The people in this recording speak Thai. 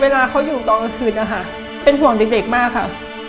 เวลาเขาอยู่ตอนกลางคืนนะคะเป็นห่วงเด็กมากค่ะ